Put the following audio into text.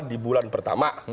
di bulan pertama